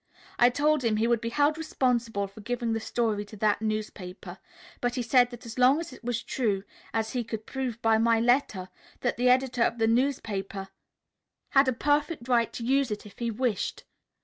I told him he would be held responsible for giving the story to that newspaper, but he said that as long as it was true, as he could prove by my letter, that the editor of the newspaper had a perfect right to use it if he wished.